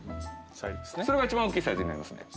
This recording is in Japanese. それが一番大きいサイズになりますね。